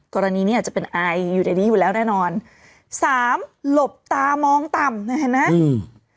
กรณีนี้อาจจะเป็นอายอยู่ในนี้อยู่แล้วแน่นอนสามหลบตามองต่ำเนี่ยเห็นไหมอืม